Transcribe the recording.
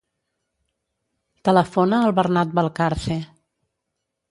Telefona al Bernat Valcarce.